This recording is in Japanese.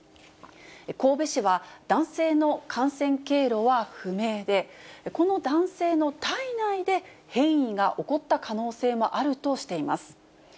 神戸市は、男性の感染経路は不明で、この男性の体内で変異が起こった可能性もあるとしています。